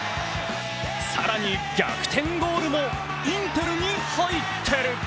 更に逆転ゴールもインテルに入ってる。